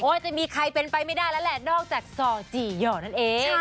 จะมีใครเป็นไปไม่ได้แล้วแหละนอกจากซอจีหย่อนั่นเอง